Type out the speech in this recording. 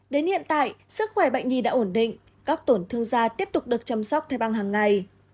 đến hiện tại sức khỏe bệnh nhi đã ổn định các tổn thương da tiếp tục được chăm sóc thê băng hằng ngày